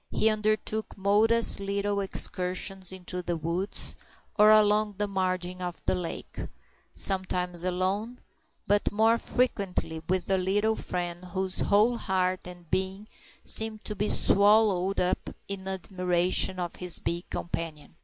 He undertook modest little excursions into the woods or along the margin of the lake, sometimes alone, but more frequently with a little friend whose whole heart and being seemed to be swallowed up in admiration of his big companion.